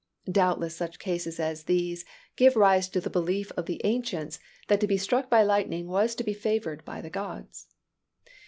Doubtless such cases as these gave rise to the belief of the ancients, that to be struck by lightning was to be favored by the gods.